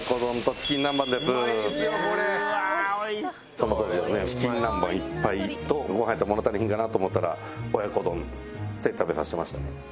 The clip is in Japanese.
その当時はねチキン南蛮１杯とご飯やったら物足りひんかなと思ったら親子丼って食べさせてましたね。